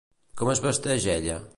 Com es vesteix ella?